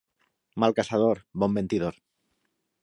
Mal caçador, bon mentidor.